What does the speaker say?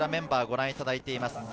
こちらメンバーをご覧いただいています。